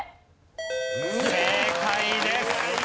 正解です！